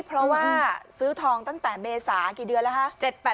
เพราะว่าซื้อทองตั้งแต่เมษากี่เดือนแล้วคะ